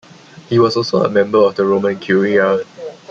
He was also a member of the Roman Curia.